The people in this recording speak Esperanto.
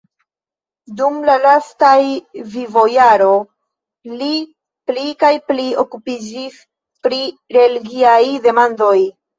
Dum la lastaj vivojaro li pli kaj pli okupiĝis pri relgiaj demandoj.